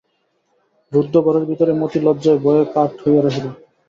রুদ্ধ ঘরের ভিতরে মতি লজ্জায় ভয়ে কাঠ হইয়া রহিল।